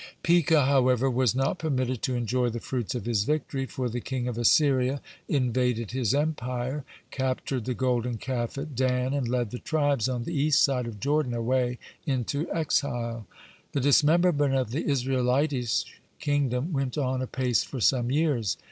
(44) Pekah, however, was not permitted to enjoy the fruits of his victory, for the king of Assyria invaded his empire, captured the golden calf at Dan, and led the tribes on the east side of Jordan away into exile. The dismemberment of the Israelitish kingdom went on apace for some years.